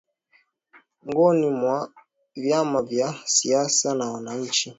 ngoni mwa vyama vya siasa na wananchi